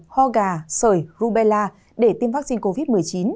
ho gà sởi rubella để tiêm vaccine covid một mươi chín